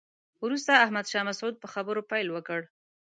وروسته احمد شاه مسعود په خبرو پیل وکړ.